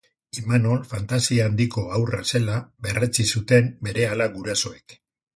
Imanol fantasia handiko haurra zela berretsi zuten berehala gurasoek.